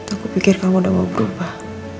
aku pikir kamu udah mau berubah